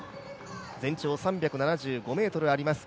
全長３７５ｍあります